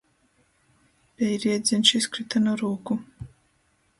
Peiriedzeņš izkryta nu rūku...